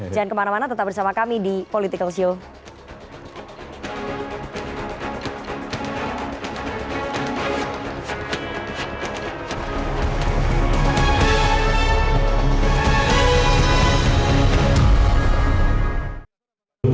jangan kemana mana tetap bersama kami di political show